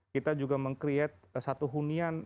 kita juga meng create satu hunian